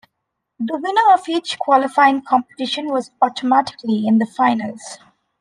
The winner of each qualifying competition was automatically in the finals.